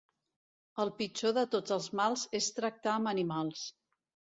El pitjor de tots els mals és tractar amb animals.